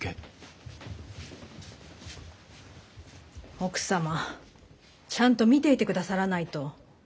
奥様ちゃんと見ていてくださらないと。